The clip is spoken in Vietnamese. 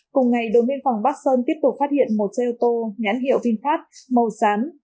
cùng ngày đội biên phòng bắc sơn tiếp tục phát hiện một xe ô tô nhãn hiệu vinfast màu xám